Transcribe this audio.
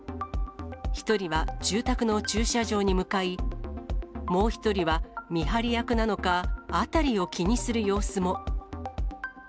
１人は住宅の駐車場に向かい、もう１人は見張り役なのか、辺りを気にする様子も。